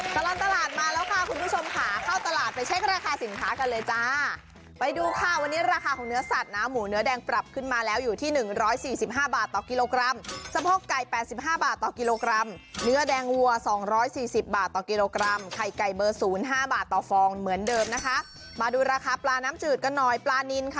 ตลอดตลาดมาแล้วค่ะคุณผู้ชมค่ะเข้าตลาดไปเช็คราคาสินค้ากันเลยจ้าไปดูค่ะวันนี้ราคาของเนื้อสัตว์นะหมูเนื้อแดงปรับขึ้นมาแล้วอยู่ที่๑๔๕บาทต่อกิโลกรัมสะโพกไก่๘๕บาทต่อกิโลกรัมเนื้อแดงวัว๒๔๐บาทต่อกิโลกรัมไข่ไก่เบอร์ศูนย์ห้าบาทต่อฟองเหมือนเดิมนะคะมาดูราคาปลาน้ำจืดกันหน่อยปลานินค่ะ